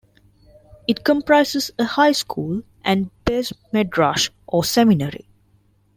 It comprises a high school and beis medrash, or seminary.